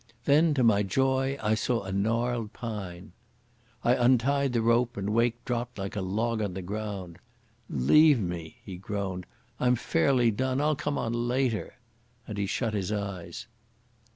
Then to my joy I saw a gnarled pine. I untied the rope and Wake dropped like a log on the ground. "Leave me," he groaned. "I'm fairly done. I'll come on later." And he shut his eyes.